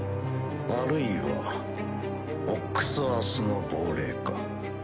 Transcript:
あるいは「オックス・アース」の亡霊か。